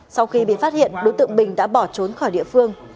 sau khi bị phát hiện đối tượng bình đã bỏ trốn khỏi địa phương